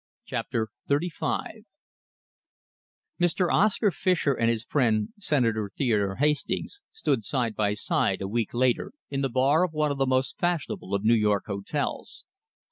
CHAPTER XXXV Mr. Oscar Fischer and his friend, Senator Theodore Hastings, stood side by side, a week later, in the bar of one of the most fashionable of New York hotels.